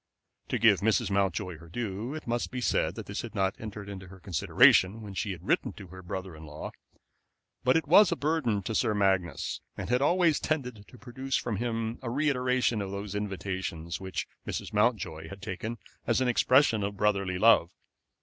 To give Mrs. Mountjoy her due, it must be said that this had not entered into her consideration when she had written to her brother in law; but it was a burden to Sir Magnus, and had always tended to produce from him a reiteration of those invitations, which Mrs. Mountjoy had taken as an expression of brotherly love.